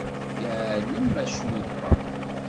Yeɛlem d acu i yebɣa.